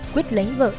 quyết lấy vợ